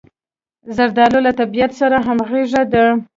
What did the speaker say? زردالو له طبعیت سره همغږې ده.